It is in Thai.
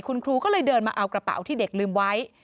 คุณครูก็เลยเดินมาเอากระเป๋าที่เด็กลืมไว้